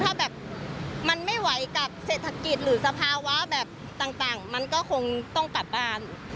ถ้าแบบมันไม่ไหวกับเศรษฐกิจหรือสภาวะแบบต่างมันก็คงต้องกลับบ้าน